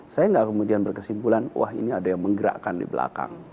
saya nggak kemudian berkesimpulan wah ini ada yang menggerakkan di belakang